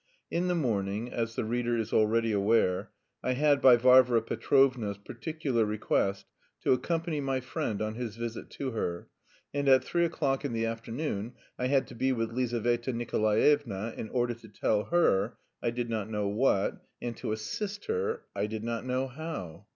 In the morning, as the reader is already aware, I had by Varvara Petrovna's particular request to accompany my friend on his visit to her, and at three o'clock in the afternoon I had to be with Lizaveta Nikolaevna in order to tell her I did not know what and to assist her I did not know how.